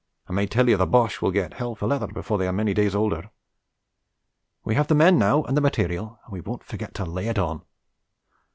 I may tell you the Boches will get hell for leather before they are many days older. We have the men now and the material and we won't forget to lay it on.